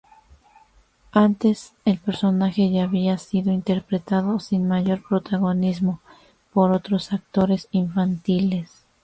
Antes el personaje ya había sido interpretado sin mayor protagonismo por otros actores infantiles.